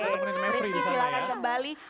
rizky silahkan kembali